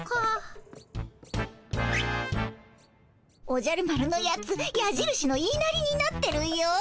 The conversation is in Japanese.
おじゃる丸のやつやじるしの言いなりになってるよ。